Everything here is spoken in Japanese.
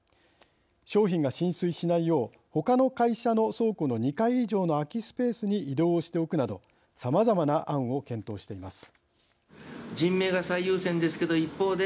商品が浸水しないよう他の会社の倉庫の２階以上の空きスペースに移動しておくなどさまざまな案を検討しています。